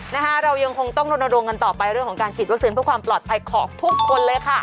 เรายังคงต้องรณรงค์กันต่อไปเรื่องของการฉีดวัคซีนเพื่อความปลอดภัยของทุกคนเลยค่ะ